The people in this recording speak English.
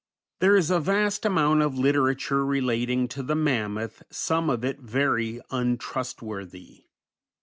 _ _There is a vast amount of literature relating to the mammoth, some of it very untrustworthy.